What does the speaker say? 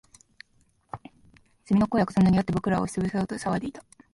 蝉の声は重なりあって、僕らを押しつぶそうと騒いでいた